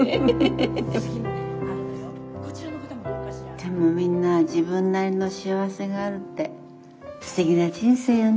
でもみんな自分なりの幸せがあるってすてきな人生よね。